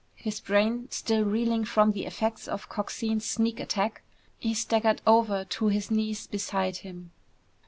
His brain still reeling from the effects of Coxine's sneak attack, he staggered over to his knees beside him.